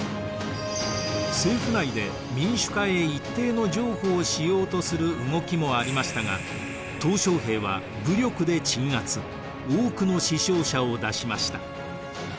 政府内で民主化へ一定の譲歩をしようとする動きもありましたが小平は武力で鎮圧多くの死傷者を出しました。